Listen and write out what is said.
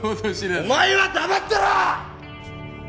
お前は黙ってろ！！